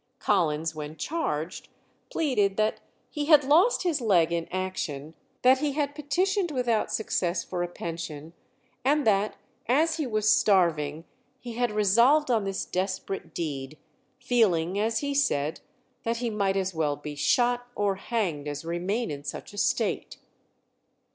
Collins, when charged, pleaded that he had lost his leg in action, that he had petitioned without success for a pension, and that, as he was starving, he had resolved on this desperate deed, feeling, as he said, that he might as well be shot or hanged as remain in such a state.